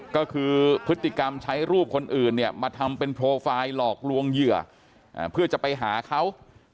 ก็คือพฤติกรรมใช้รูปคนอื่นเนี่ยมาทำเป็นโปรไฟล์หลอกลวงเหยื่อเพื่อจะไปหาเขา